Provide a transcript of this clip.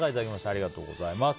ありがとうございます。